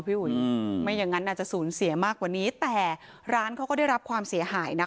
อุ๋ยไม่อย่างนั้นอาจจะสูญเสียมากกว่านี้แต่ร้านเขาก็ได้รับความเสียหายนะ